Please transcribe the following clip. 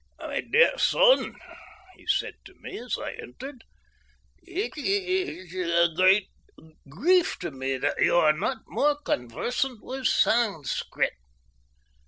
"My dear son," he said to me as I entered, "it is a great grief to me that you are not more conversant with Sanscrit.